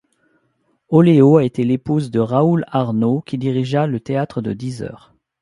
Oléo a été l'épouse de Raoul Arnaud qui dirigea le théâtre de Dix heures.